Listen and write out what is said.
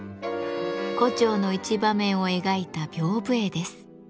胡蝶の一場面を描いた屏風絵です。